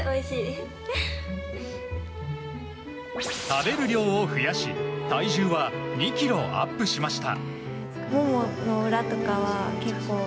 食べる量を増やし体重は２ｋｇアップしました。